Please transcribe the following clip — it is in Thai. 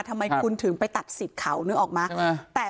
ทำไมคุณถึงไปตัดสิทธิ์เขานึกออกไหม